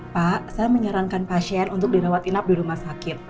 pak saya menyarankan pasien untuk dirawatin di rumah sakit